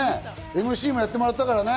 ＭＣもやってもらったからね。